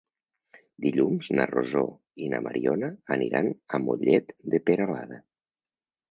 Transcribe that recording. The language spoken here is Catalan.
Dilluns na Rosó i na Mariona aniran a Mollet de Peralada.